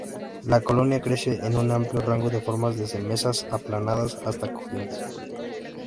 La colonia crece en un amplio rango de formas, desde mesas aplanadas hasta cojines.